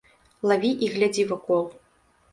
Лаві і глядзі вакол!